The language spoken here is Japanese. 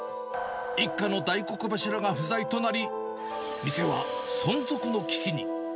一家の大黒柱が不在となり、店は存続の危機に。